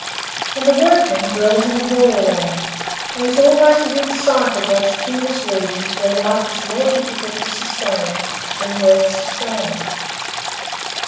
And the workman dwells in a borderland, and is always within sight of those cheerless regions where life is more difficult to sustain than worth sustaining.